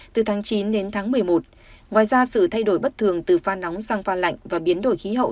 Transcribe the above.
từ tháng chín đến tháng một mươi một ngoài ra sự thay đổi bất thường từ pha nóng sang pha lạnh và biến đổi khí hậu